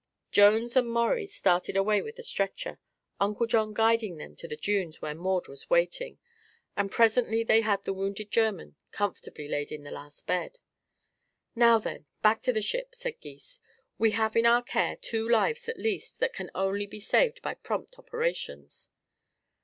Jones and Maurie started away with the stretcher, Uncle John guiding them to the dunes where Maud was waiting, and presently they had the wounded German comfortably laid in the last bed. "Now, then, back to the ship," said Gys. "We have in our care two lives, at least, that can only be saved by prompt operations."